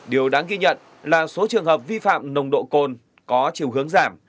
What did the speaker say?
điều đáng ghi nhận là số trường hợp vi phạm nồng độ cồn có chiều hướng giảm